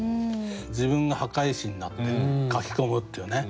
自分が破壊神になってかきこむっていうね。